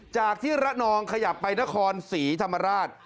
จากที่ระนองขยับไปนครศรีธรรมราช